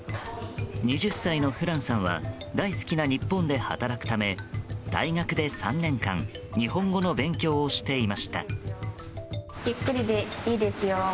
２０歳のフランさんは大好きな日本で働くため大学で３年間日本語の勉強をしていました。